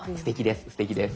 すてきです